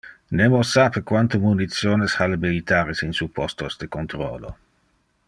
Nemo sape quante munitiones ha le militares in su postos de controlo.